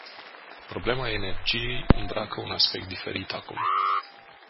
Problema energiei îmbracă un aspect diferit acum.